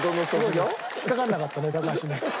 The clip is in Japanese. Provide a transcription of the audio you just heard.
すごいね引っかかんなかったね高橋ね。